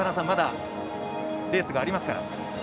まだレースがありますから。